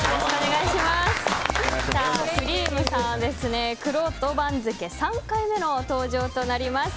クリームさんはくろうと番付３回目の登場となります。